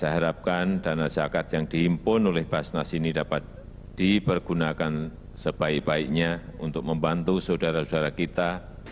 saya harapkan dana zakat yang dihimpun oleh basnas ini dapat dipergunakan sebaik baiknya untuk membantu saudara saudara kita